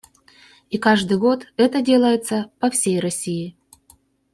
И каждый год это делается по всей России.